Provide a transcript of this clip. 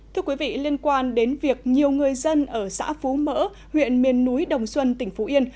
thưa quý vị liên quan đến việc nhiều người dân ở xã phú mỡ huyện miền núi đồng xuân tỉnh phú yên